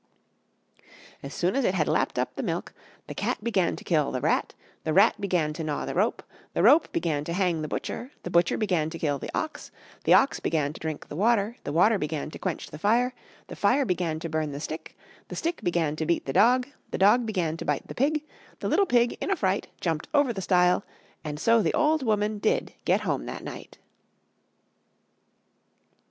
As soon as it had lapped up the milk, the cat began to kill the rat; the rat began to gnaw the rope; the rope began to hang the butcher; the butcher began to kill the ox; the ox began to drink the water; the water began to quench the fire; the fire began to burn the stick; the stick began to beat the dog; the dog began to bite the pig; the little pig in a fright jumped over the stile; and so the old woman did get home that night.